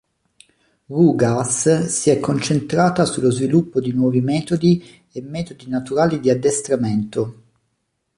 Rugaas si è concentrata sullo sviluppo di nuovi metodi e metodi naturali di addestramento.